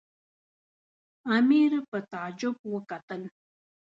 امیر په تعجب وکتل.